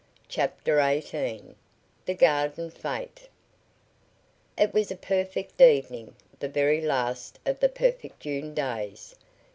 CHAPTER XVIII THE GARDEN FETE It was a perfect evening the very last of the perfect June days.